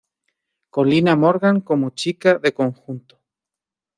Con Lina Morgan como chica de conjunto.